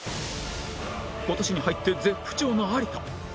今年に入って絶不調の有田